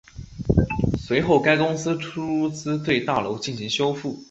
随后该公司出资对大楼进行修复。